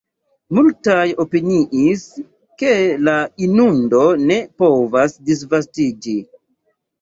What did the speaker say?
Multaj opiniis, ke la inundo ne povas disvastiĝi.